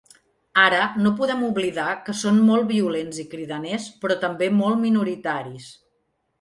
Ara, no podem oblidar que són molt violents i cridaners però també molt minoritaris.